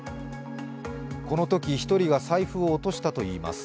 このとき、１人が財布を落としたといいます。